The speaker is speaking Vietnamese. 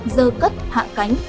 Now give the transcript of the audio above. giờ cất hạ cánh